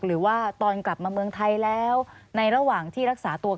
หรือว่าตอนกลับมาเมืองไทยแล้วในระหว่างที่รักษาตัว